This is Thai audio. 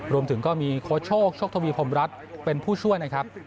รวมถึงก็มีโค้ชโชคชกทวีพรมรัฐเป็นผู้ช่วยนะครับ